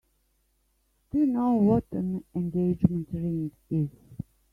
Do you know what an engagement ring is?